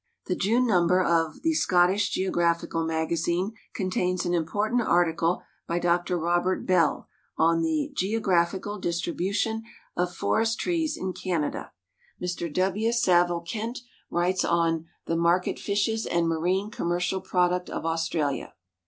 The June number of The Scottish Geographical Magazine contains an im portant article by Dr Robert Bell on the "Geographical Distribution of Forest Trees in Canada." Mr W. Saville Kent writes on " The Market Fishes and Marine Commercial Product of Australia."